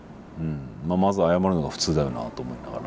まあまず謝るのが普通だよなと思いながら。